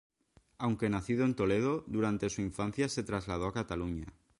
Aunque nacido en Toledo, durante su infancia se trasladó a Cataluña.